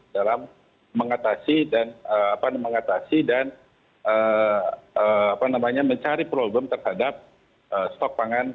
dalam mengatasi dan mencari problem terhadap stok pangan